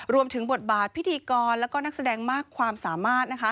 รวมถึงบทบาทพิธีกรแล้วก็นักแสดงมากความสามารถ